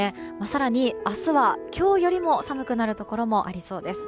更に明日は今日より寒くなるところもありそうです。